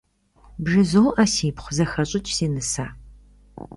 БжызоӀэ, сипхъу, зэхэщӀыкӀ, си нысэ.